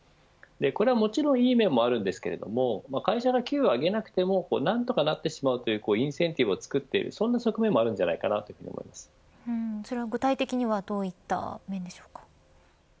これはもちろんいい面もあるんですけれども会社が給与を上げなくても何とかなってしまうというインセンティブを作っている側面もあるんじゃないかなとそれは具体的にはどういった面でしょうか。